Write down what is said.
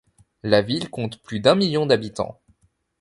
La ville compte plus d'un million d'habitants.